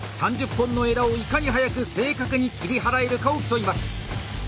３０本の枝をいかに早く正確に切り払えるかを競います。